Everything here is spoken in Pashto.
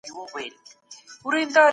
د مطلب ربط له منځه ځي او حوصله ختمېږي.